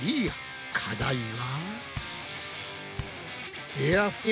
課題は。